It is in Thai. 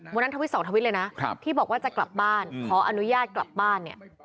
ทวิต๒ทวิตเลยนะที่บอกว่าจะกลับบ้านขออนุญาตกลับบ้านเนี่ย